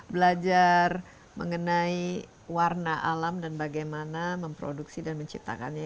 belajar mengenai warna alam dan bagaimana memproduksi dan menciptakannya